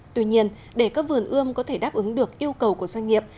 tuy nhiên để các vườn ươm có thể đáp ứng được yêu cầu của doanh nghiệp